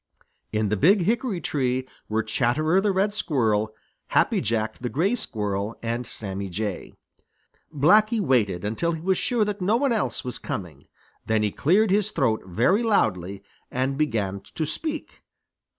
In the Big Hickory tree were Chatterer the Red Squirrel, Happy Jack the Gray Squirrel, and Sammy Jay. Blacky waited until he was sure that no one else was coming. Then he cleared his throat very loudly and began to speak.